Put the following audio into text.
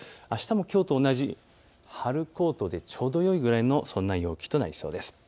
あしたもきょうと同じ春コートでちょうどいいくらいのそんな陽気となりそうです。